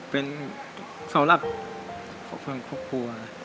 เป็นสาวรักของเพื่อนครอบครัว